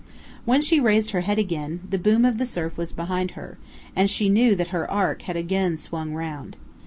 When she raised her head again, the boom of the surf was behind her, and she knew that her ark had again swung round.